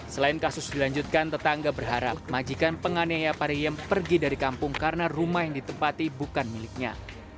selain kasus dilanjutkan tetangga berharap majikan penganiaya pariyem pergi dari kampung karena rumah yang ditempati bukan miliknya